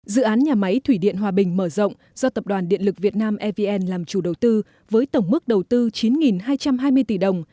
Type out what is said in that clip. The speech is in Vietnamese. dự án nhà máy thủy điện hòa bình mở rộng do tập đoàn điện lực việt nam evn làm chủ đầu tư với tổng mức đầu tư chín hai trăm hai mươi tỷ đồng